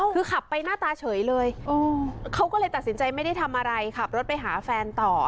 คือขับไปหน้าตาเฉยเลยเขาก็เลยตัดสินใจไม่ได้ทำอะไรขับรถไปหาแฟนต่อ